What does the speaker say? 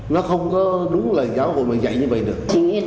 nó không có đúng là giáo hội mà dạy như vậy được